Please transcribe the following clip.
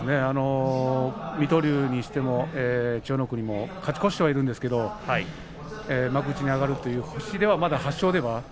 水戸龍にしても千代の国にしても勝ち越してはいるんですけれども幕内に上がる星ではまだ８勝ですからね。